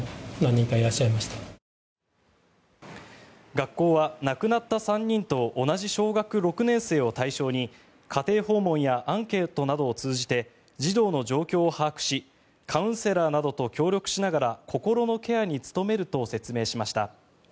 学校は亡くなった３人と同じ小学６年生を対象に家庭訪問やアンケートなどを通じて児童の状況を把握しカウンセラーなどと協力しながら心のケアに努めると説明しました。